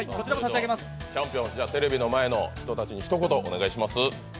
チャンピオンのテレビの前の人たちに一言お願いします。